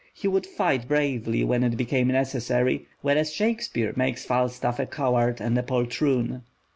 He would fight bravely when it became necessary, whereas Shakespeare makes Falstaff a coward and a poltroon."